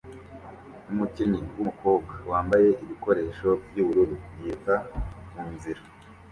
Umukinnyi wumukobwa wambaye ibikoresho byubururu yiruka munzira